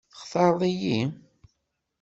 Textaṛeḍ-iyi?